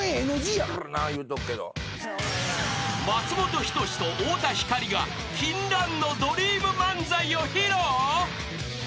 ［松本人志と太田光が禁断のドリーム漫才を披露！？］